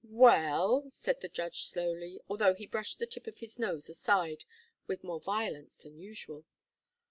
"Well," said the judge, slowly, although he brushed the tip of his nose aside with more violence than usual.